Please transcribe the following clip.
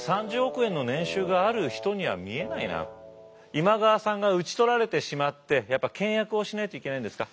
今川さんが討ち取られてしまってやっぱ倹約をしないといけないんですか？